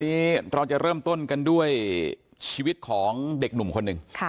วันนี้เราจะเริ่มต้นกันด้วยชีวิตของเด็กหนุ่มคนหนึ่ง